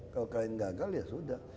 kalau kain gagal ya sudah